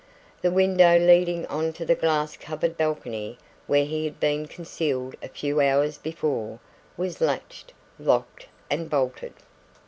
The window leading on to the glass covered balcony where he had been concealed a few hours before, was latched, locked and bolted.